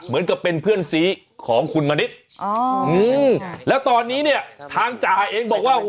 เหมือนกับเป็นเพื่อนสีของคุณมณิษฐ์แล้วตอนนี้เนี่ยทางจ่าเองบอกว่า